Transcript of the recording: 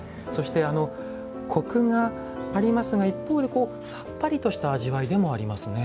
そしてコクがありますが一方でさっぱりとした味わいでもありますね。